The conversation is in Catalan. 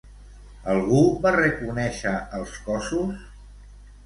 Algú va reconèixer els cossos?